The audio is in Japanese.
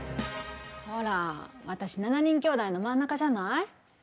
ほら私７人きょうだいの真ん中じゃない？